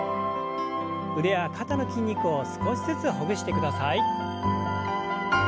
腕や肩の筋肉を少しずつほぐしてください。